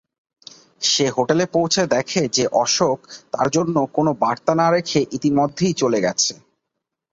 সে হোটেলে পৌঁছে দেখে যে অশোক তার জন্য কোনও বার্তা না রেখে ইতিমধ্যেই চলে গেছে।